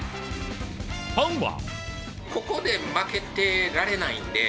ファンは。